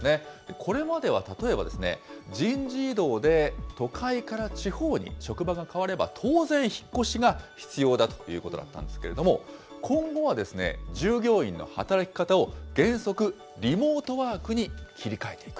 これまでは例えば、人事異動で都会から地方に職場が変われば、当然、引っ越しが必要だということだったんですけれども、今後はですね、従業員の働き方を原則リモートワークに切り替えていく。